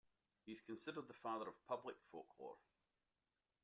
He is considered the Father of Public Folklore.